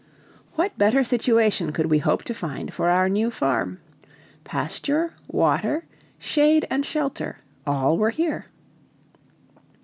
What better situation could we hope to find for our new farm? Pasture, water, shade, and shelter, all were here.